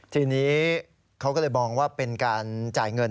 ทีนี้เขาก็เลยมองว่าเป็นการจ่ายเงิน